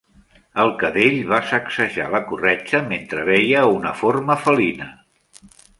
El cadell va sacsejar la corretja mentre veia una forma felina.